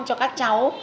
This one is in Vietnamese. cho các cháu